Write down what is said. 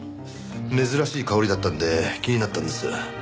珍しい香りだったので気になったんです。